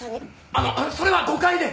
あのそれは誤解で！